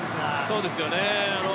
そうですよね。